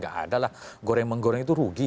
gak ada lah goreng menggoreng itu rugi